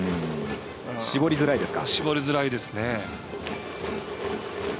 絞りづらいですね。